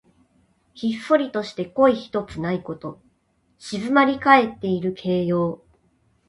ひっそりとして声ひとつないこと。静まりかえっている形容。